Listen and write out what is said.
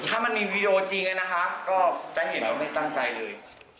หากมีวีดีโอจริงนี่ก็ไม่ตั้งใจเลย